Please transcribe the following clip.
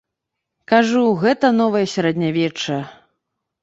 Кажу, гэта новае сярэднявечча.